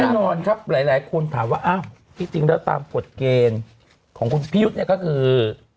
แน่นอนครับหลายคนถามว่าอ้าวที่จริงแล้วตามกฎเกณฑ์ของคุณพี่ยุทธ์เนี่ยก็คือ